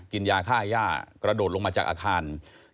กินยาค่าย่ากระโดดลงมาจากอาคาร